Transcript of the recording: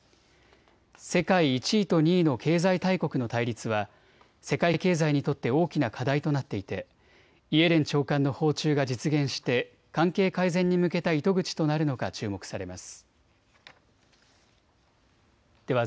世界１位と２位の経済大国の対立は世界経済にとって大きな課題となっていてイエレン長官の訪中が実現して関係改善に向けた糸口となるのか注目されます。